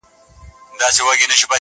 هره ورځ به دي تورونه ډک له ښکار سي -